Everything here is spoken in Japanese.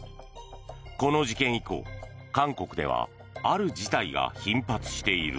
この事件以降、韓国ではある事態が頻発している。